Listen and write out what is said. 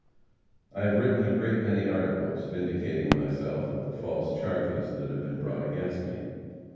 I have written a great many articles vindicating myself of the false charges that have been brought against me.